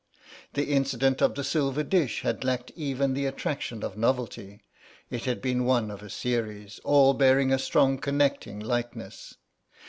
The incident of the silver dish had lacked even the attraction of novelty; it had been one of a series, all bearing a strong connecting likeness.